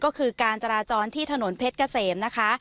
ก็คือการจราจรที่ถนนเพชรเกษมนะคะ